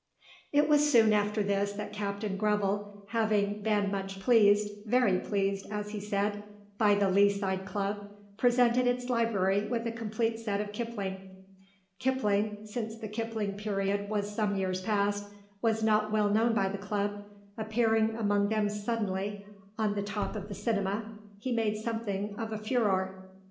It was soon after this that Captain Greville, having been much pleased very pleased, as he said by the Lea side Club, presented its library with a complete set of Kipling. Kipling, since the Kipling period was some years past, was not well known by the Club; appearing among them suddenly, on the top of the Cinema, he made something of a furore.